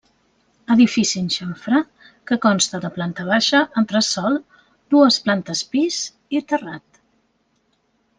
Edifici en xamfrà que consta de planta baixa, entresòl, dues plantes pis i terrat.